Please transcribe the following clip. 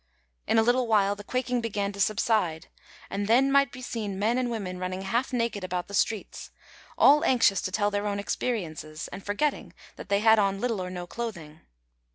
In a little while the quaking began to subside; and then might be seen men and women running half naked about the streets, all anxious to tell their own experiences, and forgetting that they had on little or no clothing.